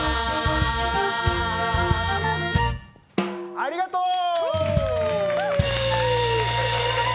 ありがとう！